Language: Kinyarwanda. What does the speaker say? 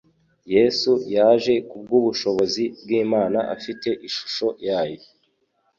Yesu yaje kubw’ubushobozi bw’Imana, afite ishusho yayo